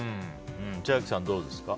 千秋さんはどうですか？